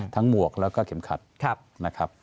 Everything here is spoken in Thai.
หมวกแล้วก็เข็มขัดนะครับ